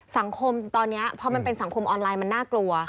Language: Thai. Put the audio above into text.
สังคมตอนนี้พอมันเป็นสังคมออนไลน์มันน่ากลัว